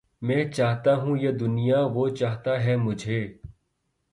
میں چاہتا ہوں یہ دنیا وہ چاہتا ہے مجھے